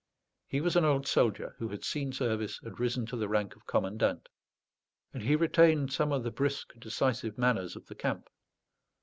He was an old soldier, who had seen service and risen to the rank of commandant; and he retained some of the brisk decisive manners of the camp.